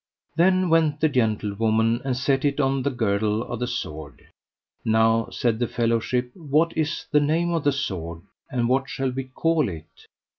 Then went the gentlewoman and set it on the girdle of the sword. Now, said the fellowship, what is the name of the sword, and what shall we call it?